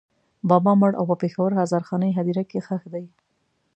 بابا مړ او په پېښور هزارخانۍ هدېره کې ښخ دی.